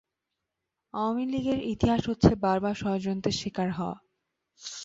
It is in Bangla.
আওয়ামী লীগের ইতিহাস হচ্ছে বারবার ষড়যন্ত্রের শিকার হওয়া।